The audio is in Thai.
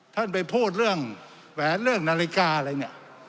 ท่านไปพูดเรื่องแหวนเรื่องนาฬิกาอะไรเนี่ย